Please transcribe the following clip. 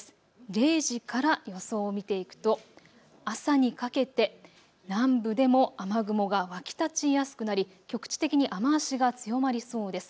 ０時から予想を見ていくと朝にかけて南部でも雨雲が湧き立ちやすくなり局地的に雨足が強まりそうです。